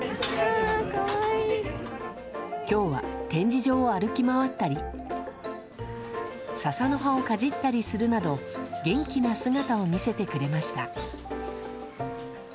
今日は展示場を歩き回ったり笹の葉をかじったりするなど元気な姿を見せてくれました。